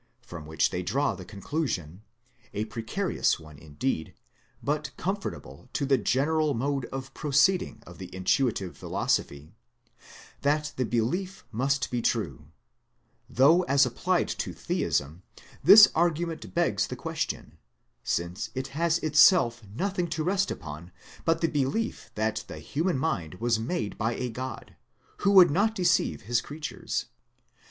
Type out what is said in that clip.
from which they draw the conclusion, a precarious one indeed, but conformable to the general mode of proceeding of the intuitive philosophy, that the belief must be true ; though as applied to Theism this argu^ ment begs the question, since it has itself nothing to rest upon but the belief that the human mind was made by a God, who would not deceive his creatures.